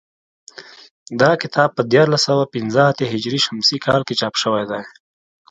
دا کتاب په دیارلس سوه پنځه اتیا هجري شمسي کال کې چاپ شوی دی